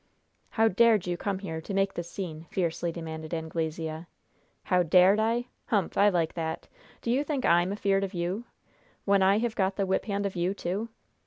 "How dared you come here to make this scene?" fiercely demanded Anglesea. "How 'dared' I? Humph! I like that! Do you think I'm afeared of you? When I have got the whip hand of you, too?